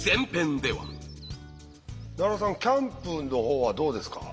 奈良さんキャンプの方はどうですか？